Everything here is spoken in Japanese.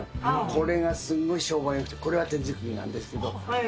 これがすごい評判よくて、これは手作りなんですけど。